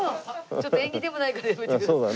ちょっと縁起でもないからやめてください。